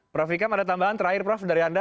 prof ikam ada tambahan terakhir prof dari anda